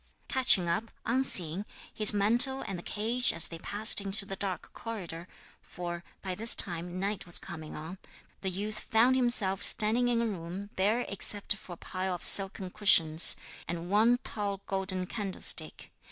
Catching up, unseen, his mantle and the cage as they passed into the dark corridor for by this time night was coming on the youth found himself standing in a room bare except for a pile of silken cushions, and one tall golden candlestick.